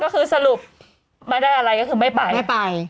ก็คือสรุปไม่ได้อะไรก็คือไม่ไปไม่ไป